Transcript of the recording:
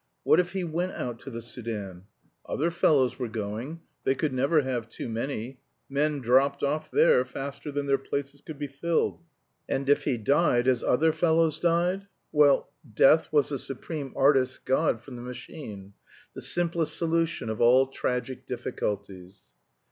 What if he went out to the Soudan? Other fellows were going; they could never have too many. Men dropped off there faster than their places could be filled. And if he died, as other fellows died? Well, death was the supreme Artist's god from the machine, the simplest solution of all tragic difficulties.